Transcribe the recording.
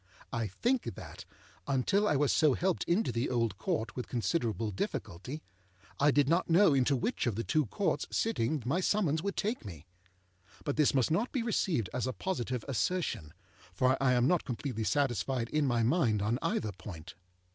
I think that, until I was so helped into the Old Court with considerable difficulty, I did not know into which of the two Courts sitting my summons would take me. But this must not be received as a positive assertion, for I am not completely satisfied in my mind on either point.